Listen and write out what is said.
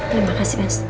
terima kasih mas